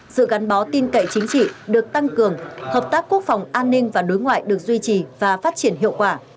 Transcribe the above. sự gắn bó tin cậy chính trị được tăng cường hợp tác quốc phòng an ninh và đối ngoại được duy trì và phát triển hiệu quả